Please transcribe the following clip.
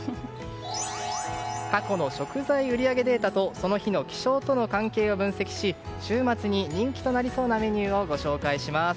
過去の食材売り上げデータとその日の気象との関係を分析し週末に人気となりそうなメニューをご紹介します。